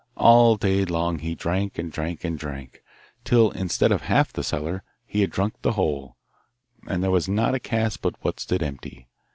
All day long he drank, and drank, and drank, till instead of half the cellar, he had drunk the whole, and there was not a cask but what stood empty.